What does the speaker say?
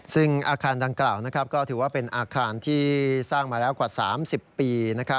ซึ่งอาคารดังกล่าวก็ถือว่าเป็นอาคารที่สร้างมาแล้วกว่า๓๐ปี